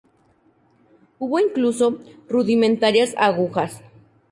Hubo incluso rudimentarias agujas.